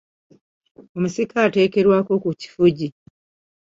Omusika ateekerwako ku kifugi.